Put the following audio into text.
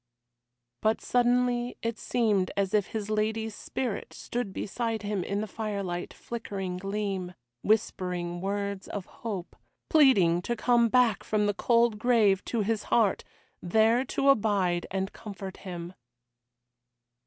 But suddenly it seemed as if his lady's spirit stood beside him in the firelight's flickering gleam, whispering words of hope, pleading to come back from the cold grave to his heart, there to abide and comfort him.